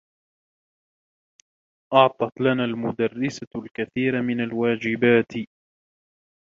أعطت لنا المدرسة الكثير من الواجبات.